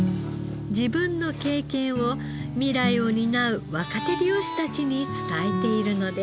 自分の経験を未来を担う若手漁師たちに伝えているのです。